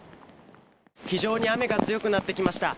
非常に雨が強くなってきました。